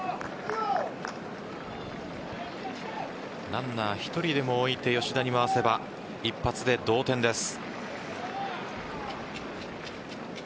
ランナー１人でも置いて吉田に回せば一発で同点です。